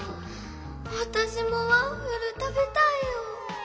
わたしもワッフルたべたいよ！